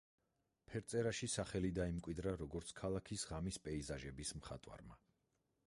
ფერწერაში სახელი დაიმკვიდრა, როგორც ქალაქის ღამის პეიზაჟების მხატვარმა.